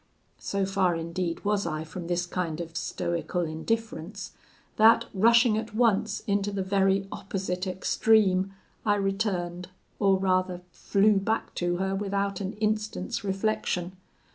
"So far, indeed, was I from this kind of stoical indifference, that, rushing at once into the very opposite extreme, I returned, or rather flew back to her without an instant's reflection.